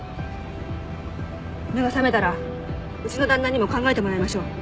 目が覚めたらうちの旦那にも考えてもらいましょう。